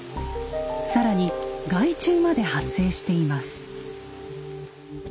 更に害虫まで発生しています。